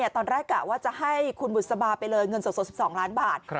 ตอนแรกกะว่าจะให้คุณบุษบาไปเลยเงินสด๑๒ล้านบาท